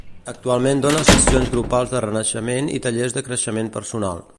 Actualment dona sessions grupals de renaixement i tallers de creixement personal.